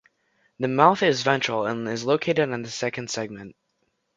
The mouth is ventral and is located on the second segment.